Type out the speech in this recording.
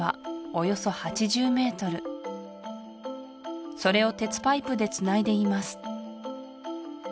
およそ８０ｍそれを鉄パイプでつないでいます